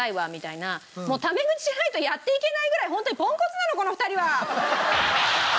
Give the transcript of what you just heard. もうタメ口じゃないとやっていけないぐらい本当にポンコツなのこの２人は！